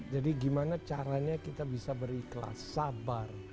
jadi gimana caranya kita bisa berikhlas sabar